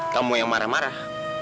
kamu yang marah marah